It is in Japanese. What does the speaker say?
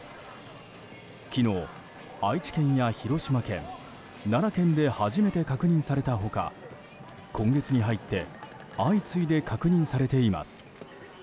昨日、愛知県や広島県、奈良県で初めて確認された他今月に入って相次いで確認されています。